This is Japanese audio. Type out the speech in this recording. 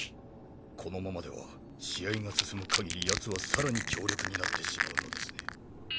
このままでは試合が進むかぎりヤツは更に強力になってしまうのですね。